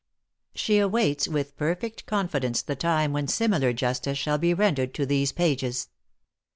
She awaits with perfect confidence the time when similar justice shall be rendered to these pages.